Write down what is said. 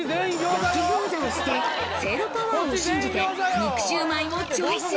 焼き餃子を捨て、せいろパワーを信じて「肉シュウマイ」をチョイス。